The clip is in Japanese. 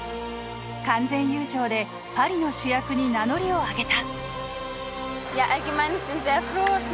完全優勝でパリの主役に名乗りを上げた。